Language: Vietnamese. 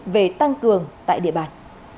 về tăng cường tại địa bàn